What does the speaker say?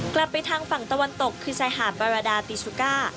กลับไปทางฝั่งตะวันตกคือชายหาดบาราดาติซุก้า